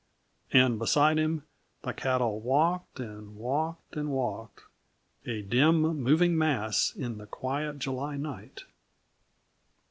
And beside him the cattle walked and walked and walked, a dim, moving mass in the quiet July night.